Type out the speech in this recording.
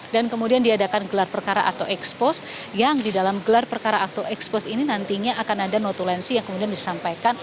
dan kemudian diadakan gelar perkara atau expose yang di dalam gelar perkara atau expose ini nantinya akan ada notulensi yang kemudian disampaikan